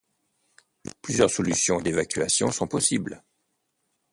Plusieurs solutions d’évacuations sont possibles.